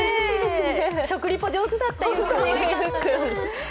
食リポ上手だったよ、佑輔君。